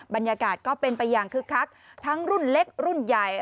บรรยากาศก็เป็นไปอย่างคึกคักทั้งรุ่นเล็กรุ่นใหญ่